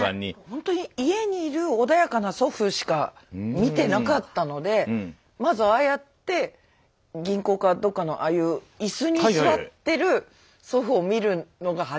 ほんとに家に居る穏やかな祖父しか見てなかったのでまずああやって銀行かどっかのああいう椅子に座ってる祖父を見るのが初めてです。